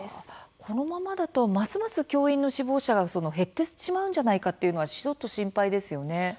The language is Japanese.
このままだとますます教員の希望者が減ってしまうのではないかと心配ですね。